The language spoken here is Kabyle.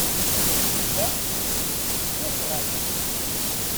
Tedda s tesnasɣalt.